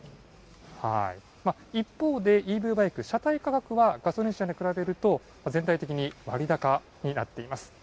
一方で、ＥＶバイク、車体価格はガソリンバイクに比べると、全体的に割高になっています。